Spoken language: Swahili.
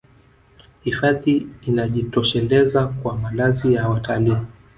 hifadhi inajitosheleza kwa malazi ya watalii